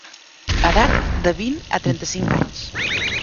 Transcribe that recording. Edat: de vint a trenta-cinc anys.